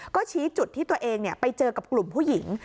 ก็ชี้จุดที่ตัวเองไปเจอกับกลุ่มผู้หญิง